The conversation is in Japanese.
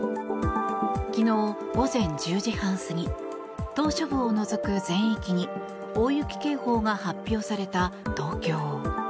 昨日午前１０時半過ぎ島しょ部を除く全域に大雪警報が発表された東京。